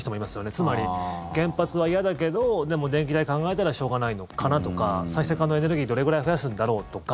つまり、原発は嫌だけどでも電気代考えたらしょうがないのかなとか再生可能エネルギーどれぐらい増やすんだろうとか。